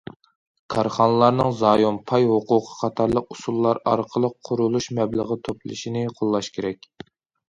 كارخانىلارنىڭ زايوم، پاي ھوقۇقى قاتارلىق ئۇسۇللار ئارقىلىق قۇرۇلۇش مەبلىغى توپلىشىنى قوللاش كېرەك.